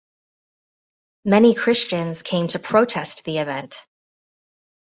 Many Christians came to protest the event.